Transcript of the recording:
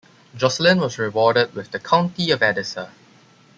Joscelin was rewarded with the County of Edessa.